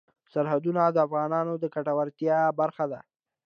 سرحدونه د افغانانو د ګټورتیا برخه ده.